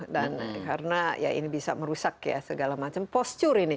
dan karena ya ini bisa merusak ya segala macam postur ini